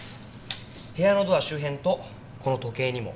部屋のドア周辺とこの時計にも。